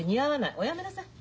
おやめなさい。